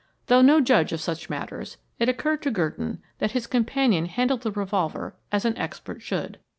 Though no judge of such matters, it occurred to Gurdon that his companion handled the revolver as an expert should.